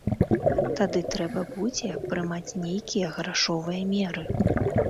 Тады трэба будзе прымаць нейкія грашовыя меры.